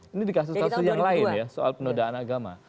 ini di kasus kasus yang lain ya soal penodaan agama